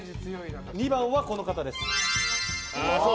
２番はこの方です。